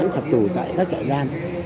tha tù tại các trại giam